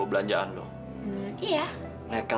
aku selalu mencari bukit rumah